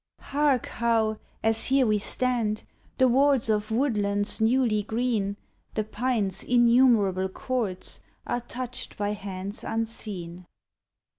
62 MORNING tWILIGWr Hark how, as here we stand the wards Of woodlands newly green, The pine's innumerable chords Are touched by hands unseen!